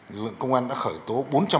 lượng công an đã khởi tố